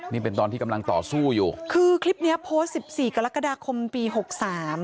นี่เป็นตอนที่กำลังต่อสู้อยู่คือคลิปเนี้ยโพสต์สิบสี่กรกฎาคมปีหกสาม